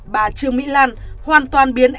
bà trương mỹ lan hoàn toàn biến